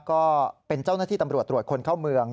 ก็เป็นเจ้าหน้าที่ตำรวจตรวจคนเข้าเมือง